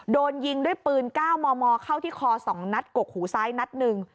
โดนยิงด้วยปืน๙มมเข้าที่คอ๒นัดกกหูซ้ายนัดหนึ่ง